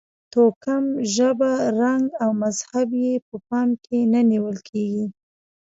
توکم، ژبه، رنګ او مذهب یې په پام کې نه نیول کېږي.